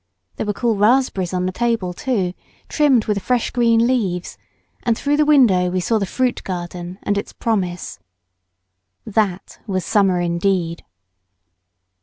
There were cool raspberries on the table too, trimmed with fresh green leaves, and through the window we saw the fruit garden and its promise. That was summer indeed.